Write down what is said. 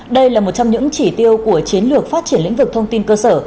đây là một trong những chỉ tiêu của chiến lược phát triển lĩnh vực thông tin cơ sở